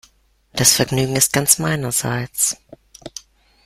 Das Vergnügen ist ganz meinerseits.